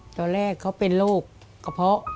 ตอนแรกเขาเป็นโรคกระเพาะ